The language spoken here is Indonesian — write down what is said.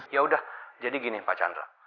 yaudah jadi gini pak chandra